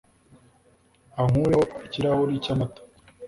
unkureho ikirahuri cyamata